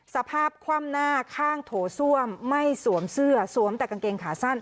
สภาพคว่ำหน้าข้างโถส้วมไม่สวมเสื้อสวมแต่กางเกงขาสั้น